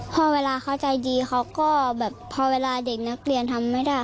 พอเวลาเขาใจดีเขาก็แบบพอเวลาเด็กนักเรียนทำไม่ได้